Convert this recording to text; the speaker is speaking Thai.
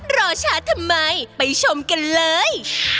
รอช้าทำไมไปชมกันเลย